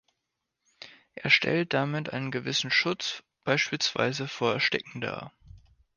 Er stellt damit einen gewissen Schutz beispielsweise vor Ersticken dar.